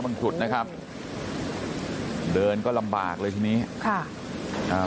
ขุดนะครับเดินก็ลำบากเลยทีนี้ค่ะอ่า